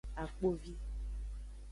Akpovi.